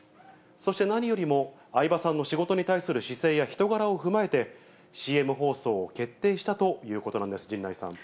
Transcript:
そして何よりも、相葉さんの仕事に対する姿勢や人柄を踏まえて、ＣＭ放送を決定したということなんです、陣内さん。